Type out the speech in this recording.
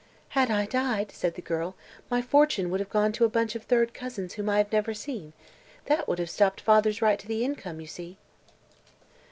"Had I died," said the girl, "my fortune would have gone to a bunch of third cousins whom I have never seen. That would have stopped father's right to the income, you see."